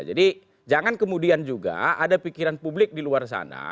jadi jangan kemudian juga ada pikiran publik di luar sana